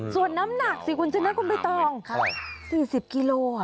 ส่วนน้ำหนักสิคุณจะเนื้อกลุ่มไปต่อ๔๐กิโล